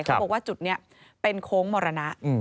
เขาบอกว่าจุดนี้เป็นโค้งมรณะ